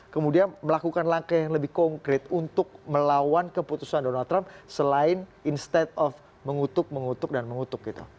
kemudian melakukan langkah yang lebih konkret untuk melawan keputusan donald trump selain instead of mengutuk mengutuk dan mengutuk gitu